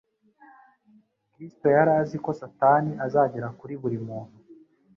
Kristo yari azi ko Satani azagera kuri buri muntu,